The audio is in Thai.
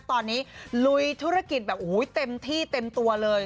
ตอนนี้ลุยธุรกิจแบบโอ้โหเต็มที่เต็มตัวเลย